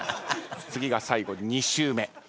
次が最後２周目。